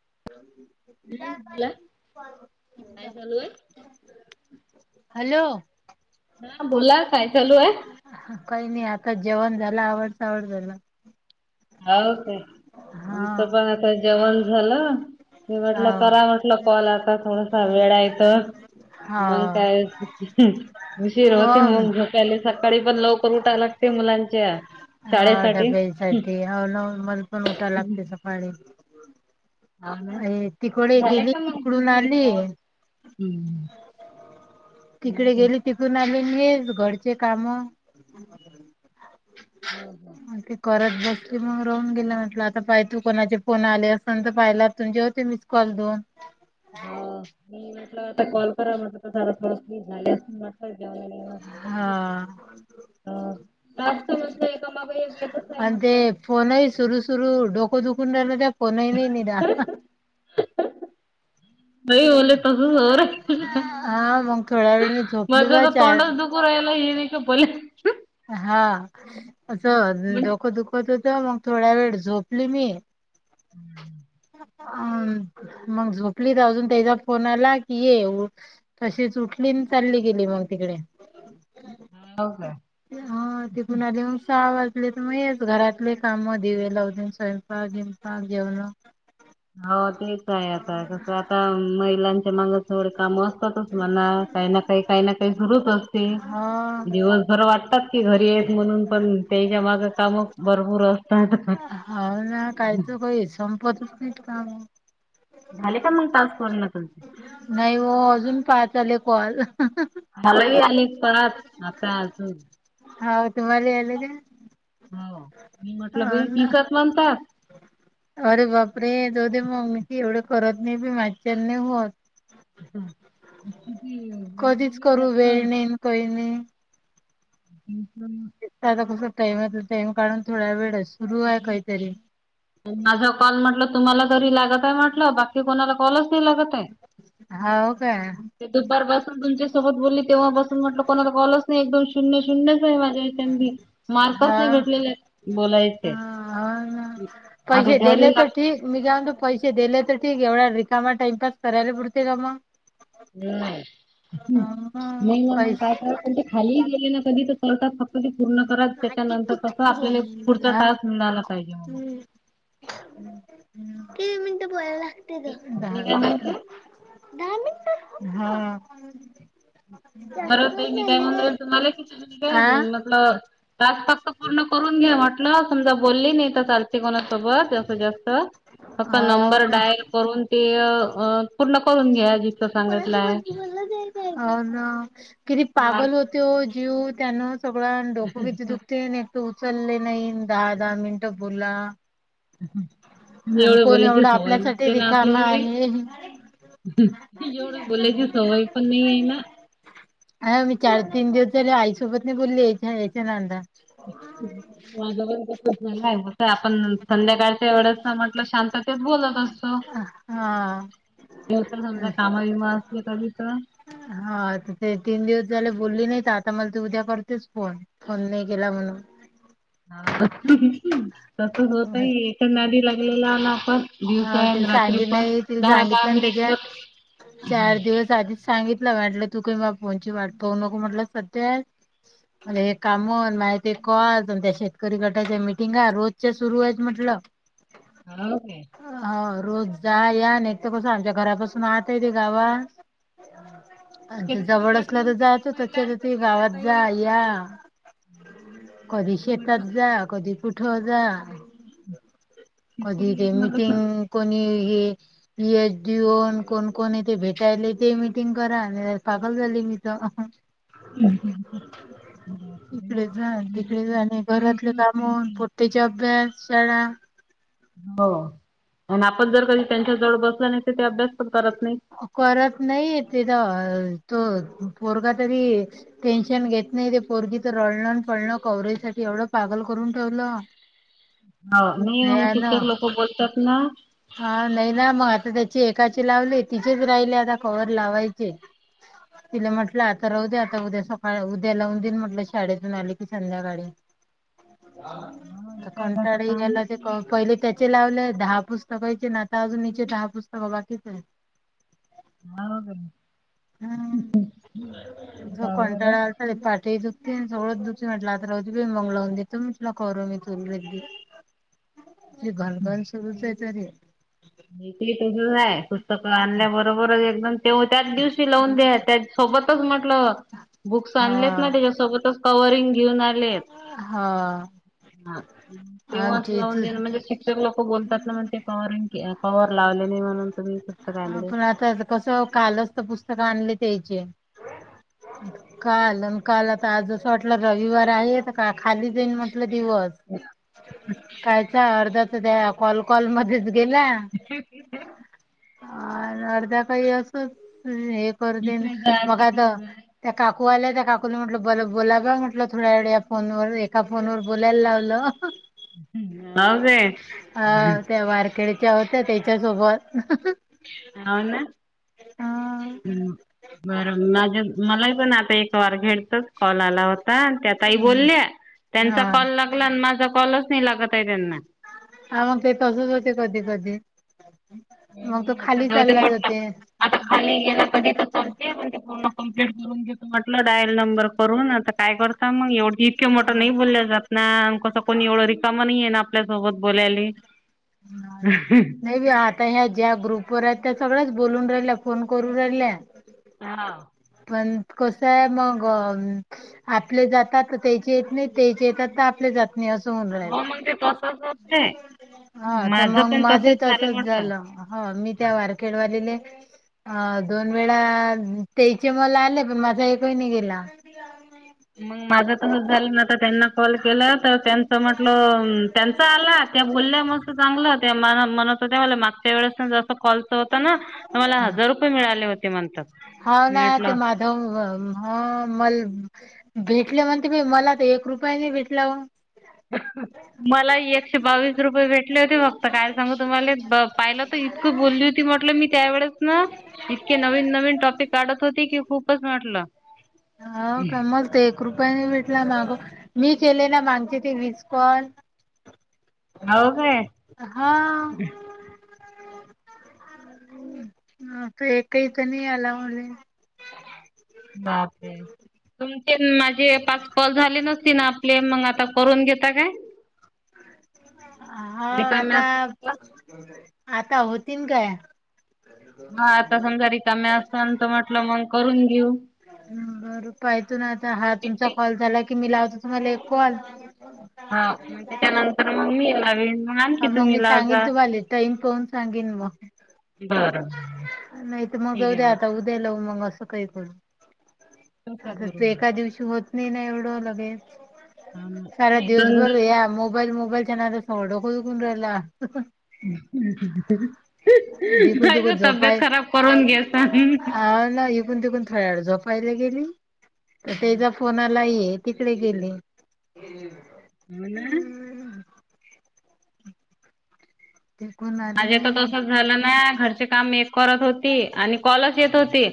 [inaudible] हम्म झाला काय झाचालूय. हॅलो ह बोला काय चालू आहे. काही नाही आता जेवण झाला आवडसावड झाला. हो का आमचं पण आता जेवण झालं. म म्हटलं हा करा म्हटलं कॉल आता थोडसा वेळयचं. हा मग काय उुशीर होते हो मग झोप्याले सकाळी पण लवकर उठायला लागते. मुलांच्या शाळेसाठी. म पण उठा लागते सकाळी. हा ना अ तिकडे गेली तिकडून आले. हम्म हो तिकडे काय गेली तिकून आम्ही येल घरचे काम. हम्म हम्म. बस मग रोहून गेलं म्हटलं आता पाहि तू कोणाचे फोन आले असल तर पाहिला. तुमजे होते मिस कॉल दोन. हो मी म्हटलं आता कॉल करा म्हट तर झा थो झाली अस. हा. टास्क म्हटलं एकामागे एक येतच आहे आणि ते म्हटलं. फोनही सुरू सुरु डोको दुख. कुंडला त्या फोनही नाही नि द. नाही ले त. होरे हा मग थोडा वेळ मी झोपली मज बा चार तोडस दु कूरला हे. बोोल. हा असं म्हणजे डोकं दुखत होत मग थोड्या वेळ झोपली मी. हम्. मग झोपली तर अजून त्याचा फोन आला की ये तशीच उठली चालली गेली मग तिकडे. [inaudible] हो काय हा ते कणालीऊन साव. तर मगच घरातले काम दिवे लावते स्वयंपाक हिंपाक जेवण. हो तेच आहे आता कसं आता महिलांच्या माग. थोड काम असतातच मला काही ना काही काही ना काही सुरूच असते. हा दिवसभर वाटतात की घरी येत म्हणून पण त्याच्या माग काम भरपूर असत. हा ना काहीच काही संपतच नाही का. झाले का मग तास कर ना तुम. नाही हो अजून पाह चाले कल. मलाही आली परत आता अजून. हा तु म्हाला एल. हो मी म्हटलं बई दिसत बनतात. अरे बाप रे दो दे मग मी एवढे करत नाही बी माझच्यानी होत. हा. कधीच करू वेळ नाहीन कही नाही. हम् आता कस टाइम टाइम काढून थोडा वेळ सुरू आहे काहीतरी. माझा कॉल म्हटलं तुम्हाला तरी लागत आहे म्हटलं बाकी कोणाला कॉलच लागत आहे. हाव काय? ते दुपारपासून तुमच्या सोबत बोलली तेव्हापसून म्हटल कोणाला कॉलच नाही एक दोन शून्य शून्य माझ्या [unintelligible] मार्कच हा नाही हा घटलेले बोलायचे. हा ना. आता पैसे द्यायला दिले तर लाग ठीक मी का म्हत पैसे देले तर ठीक. एवढ्या रिकामा टाइमपास करायला पुरते का मग. नाही हा, मग नाही ना मग काय पैसे कय ते खाली गेले ना कधी तर करतात फक्त. पूर्ण करा त्याच्यानंतर कस आपल्याला पुढचा हा? तास मिळाला पाहिजे म्हणून. तीन मिनिटं बोलायला लागते ग मी दहा काय मिनिट. म्हणते दहा मिनटं, हा. बर जास्त ताई मी काय झाले म्हनाले तुम्हाला कि आ [unintelligible] आप तास फक्त पूर्ण करून घ्या. न समजा बोलली नाही तरलथ कोणासोबत असं जास्त. फक्त हो नंबर का? डायल करून ते पूर्ण करून घ्या जिकं सांगितलंय. कोणासोबत [unintelligible] किती मार्क पागल होती जीव त्यान सगळं डोकं किती दुखते न तू उचलले नाही दहा दहा मिनटं बोला. आणि एवढं कोण बोलायची एवढा सवय आपल्यासाठी नसते ना रिकामा आपल्याले. आहे. एवढं बोलायची सवय पण नाही आहे ना. अ मी चार तीन दिवस झाले आईसोबत नाही बोलली याच्या यायच्या नांदत. माझवर सं आपण संध्याकाळच एवढच म्हटलं शांतते बोलत असतो. हा. देव तर समजा कामा विमा असल कधी तर. हा तर ते तीन दिवस झाले बोलली नाही तर आता मला तू उद्या करतेस फोन फोन नाही केला म्हणून. हा तस होतय एक नदी लागलेला आ ना आपण. हा दिवसा त आणि रात्री सांगितले पण नाही तिला दहा सांगितलं दहा ना मिनिट त्याच्या बर चार दिवस आधीचं सांगितलं वाटलं तू काही फोनची वाट बघू नको म्हटलं सध्या. हे कामून माहिती कॉल त्या शेतकरी गटाच्या मिटिंगा रोजच्या सुरू आहेत म्हटलं. [inaudible] ह काय. हो रोज जा या न तर कसं आमच्या घरापासून आहताय ते गावा. हम्म. आणि जवळ असल्या तर जा तो त्याच्यात ते गावात जा या. कधी शेतात जा, कधी कुठ जा. इकरी [unintelligible] तंग कोणी [unintelligible] कोण कोण भेटायले ते मीटिंग करा पागल झाली. [unintelligible] इकडे जा तिकडे जा घरातले कामन तेच्या अभ्यास शाळा. हो आणि आपण जर कधी त्यांच्या जवळ बसलं नाही तर ते अभ्यास पण करत नाही. करत नाही [unintelligible] तेचा तो. पोरगा तरी टेन्शन घेत नाही. ते पोरगी तर रडणं पळणं कवरेज साठी एवढं पागल [unintelligible] करून ठेवलं. हो नई मंग भयानं शिक्षक लोक बोलतात ना, ची एकाचे लावले तिचेच राहिले आता कवर लावायचे. तिला म्हटलं आता राह दे आता उद्या सकाळ उद्या, लावून देन म्हटलं शाळेतून आले की संध्याकाळी [inaudible] हा एका एकाचं कंटाळे काम याला ते होते. पहिले त्याचे लावले दहा फूस पुस्तकचे नाता आजन इचे दहा पुस्तक बाकीचे हा हो ग. [unintelligible] हम्म कंटाळा आलता पाट दुख सोळं दुचून म्हटलं आता राहत बी बंगलाून द तुमचला करू मी तुमलादी. [unintelligible] ती घनघन सुरूचे तरीे. ती तसाच आहे पुस्तक आणल्या बरोबरच एकदम तेव त्याच दिवशी लावून द्या, त्या सोबतच म्हटलं. बुक्स हा आणलेत ना त्याच्यासोबतच कव रींग घेऊन आलेत. हा हा. तेव्हाच आमच्या इथ लावून देण म्हणजे शिक्षक लोक बोलतात ना मगं ते कवरिंग कवर लावले नाही म्हणून तुम्ही पुस्तक आणले. चं कालच पु पुस्तकं आणले त्याचे. काल, काल आता आजचं शेवटल रविवार आहे त का खाली जाईन म्हटलं. दिवस काय त्या अर्ध्या त्या कॉल कॉल मध्येच [inaudible] अ अर्ध्या काही असं हे करतेन बघा आता त्या काक कुवाल्या त्या काकू नी म्हटलं बर बोला ग म्हटलं थोड्या वेळ फोन ह्या वर एका फोन वर बोलायला लावलं. अ त्या [unintelligible] वारखेडच्या होत्या त्याच्या सोबत. हम्म बरं माझ्या मलाही पण आता एक वार घेड. तोच कॉल आला होता त्या ताई बोल्या हा त्यांचा कॉल लागला आणि माझा कॉल कॉलय नही लागत आहे त्यांना. आ मगं तेे तसंच होते कधी कधी. मग तो हम्म आता खाली जाऊदे चालला म्हटलं. [unintelligible] जाते. आता खाली गेला कधी तर करते पण ते पूर्ण, कमप्लीट करून घेत म्हटलं डायल नंबर करून आता. काय करता मग एवढ इतके मोठा नाही बोलल्या जात ना, आमक त कोणी एवढं रिकामा नाहीये ना, आपल्या सोबत बोलायली. नाही बी आता ह्या ज्या ग्रुप वर आहेत त्या सगळ्याच, बोलून राहिल्या फोन करून राहिल्या. हा. पण कसय मग आपले जातात तर त्याचे येत नाही त्याचे येतात तर आपले जात. मी असं म्हणलो नाही. [unintelligible] हा तर माझं मग पण माझंही तसंच तसच म्हटलं झालं ह मी त्या वारखेड वालेले अ दोन वेळा तेचे मला आले पण माझा एकही नाही गेला. मंग माझं तसंच झालं नाता त्यांना कॉल केला. त्यांच म्हटलं त्यांचा आला त्या बोलल्या मस्त चांगलं ते माला म्हणत होत्या मागच्या वेळेस [unintelligible] जस कॉल तो होता ना, मला हजार रुपये मिळाले होते म्हणतात. हा ना, मी ते म्हटलं माधव ह मल भेटले म्हणते मी मला त एक रुपयानी भेटलाव आता काय सांग तु्हा पाहिलं तर इतकं बोलली होती म्हटलं मी त्या वळेस ना, इतके नवीन न नवीन टॉपिक काढत होती की खूपच म्हटलं. हा कमल ते एक रुपयाने [unintelligible] भेटला माग. मी केले ना, मांगचे ते विस कॉल. हो काय. हा तर एकही तर नाही आला म्हण. बापरे तुम माझे पाच कॉल झाले नसती ना आपले मग आता करून घेता काय? हा आता [unintelligible] आता होतीन काय. हा आता समजा रिकाम्या असतोंत म्हटलं मग करून घेऊ. बर पाहेत ना आता हा तुमचा कॉल झाला कि मी लावतो तुम्हाला एक कॉल. हा मग त्याच्यानंतर मम्मीला वि ह मग मी सांगेन तुम्हाला टाईम पहून सांगेन मग. बरं नाही तर मग जाऊ द्या आता उद्याला मंग अस काही कर आता तू एका दिवशी होत नाही ना एवढं लगेच. सार दिवस बर या मोबाईल मोबाईलच्या नादात माज डोक दुखून राहील. ह [unintelligible] इकून कायच ग तिकून [unintelligible] तब्येत झोपाय खराब करून घ्याच नाही एकून तिकून थयाळजो. [unintelligible] पहिले गेली तेच्या फोनला ये तिकडे गेले. हो ना ते कोण आले माझ्याता नाही तसंच झालं ना घरचे काम एक करत होती आणि कॉलच येत होती.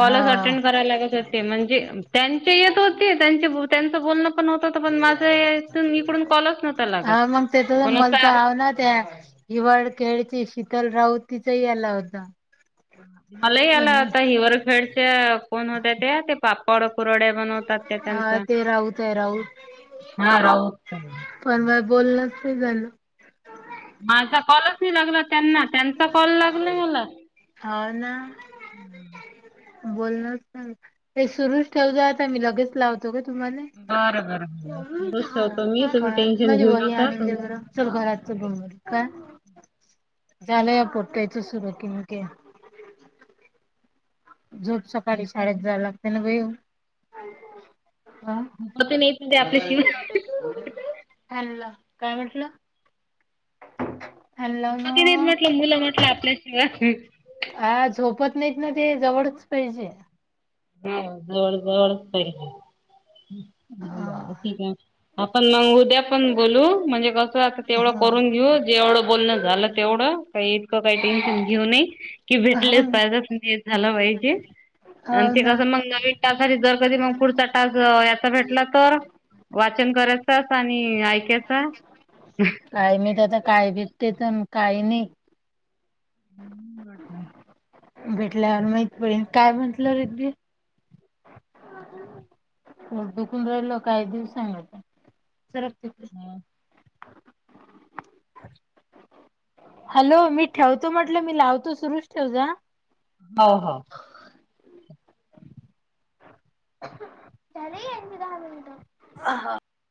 हा अटेंड करा लागत होते म्हणजे त्यांचे येत होते त्यां त्यांच बोलण पण माझ इकडून कॉलच नव्हता हा लागत. मग त्याचा मला तर आव ना त्या हिवाळ खेळची शीतल राऊ तिचाही याला होता. मला याला पण आता हिवरखेडच्या कोण होत्या त्या ते पापड पुरडे बनवतात त्या हा त्यांच. ते राऊत आहे राऊत पण माज बोलणचं नाही झालं. माझा कॉलच नाही लागला त्यांना त्यांचा कॉल लागला मला. हो ना. [inaudible] बोलणांग हे सुरूच ठेवत आता मी लगेच लावतो ग. तुम्हाला काय माझे वही आनंद आहे बरं चल घरात. [unintelligible] काय? झालं पोटकायचं सुर कनक. झोप सकाळी साडेेत जाहा लागते ना येऊ. दुपती नाहीत म्हणजे आपल्याशिवाय [unintelligible] काय म्हटलं? फॅन लाव पति नाही म्हटलं ना मुलं म्हटलं आपल्याशिवाय आ झोपत नाहीत ना ते जवळच पाहिजे. ह जवळ जवळचं पाहिजे. बर हा ठीक आहे, आपण मग उद्या पण बोलू म्हणजे कस आता तेवढं हा करून घेऊ जेवढं बोलणं झालं तेवढं. काही इतकं काही टेन्शन घेऊ नये की हो भेटलेच ना पाहिजे हे झालं पाहिजे. आणि हो ते ना कसं मग नवीन ताससाठी जर कधी मग पुढचा तास याचा भेटला तर. वाचन करायचास आणि ऐकायचा. काय मी तर आता काय भेटते तर काही नाही. हम्म वाटण. भेटल्यावर माहित पडेन काय म्हटलं रेदी? हो दुखून राहिल काही दिवस सांगत नाही, सरक. तिकडे हम. हॅलो मी ठेवतो म्हटलं मी लावतो सुरुच ठेव जा. हो हो [inaudible] [unintelligible]